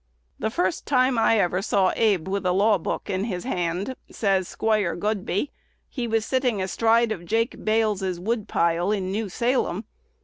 "The first time I ever saw Abe with a law book in his hand," says Squire Godbey, "he was sitting astride of Jake Bales's woodpile in New Salem.